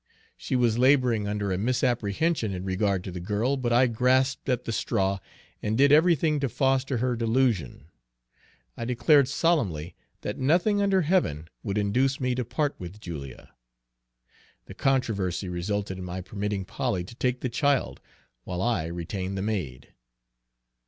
She was laboring under a misapprehension in regard to the girl, but I grasped at the straw, and did everything to foster her delusion. I declared solemnly that nothing under heaven would induce me to part with Julia. The controversy resulted in my permitting Polly to take the child, while I retained the maid.